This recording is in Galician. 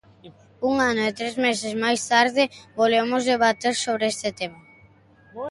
Un ano e tres meses máis tarde volvemos debater sobre este tema.